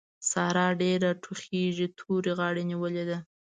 سارا ډېره ټوخېږي؛ تورې غاړې نيولې ده.